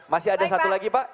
masih ada satu lagi pak